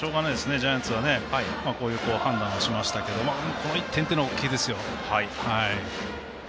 ジャイアンツはこういう判断をしましたけどこの１点というのは大きいですよ。